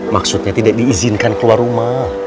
maksudnya tidak diizinkan keluar rumah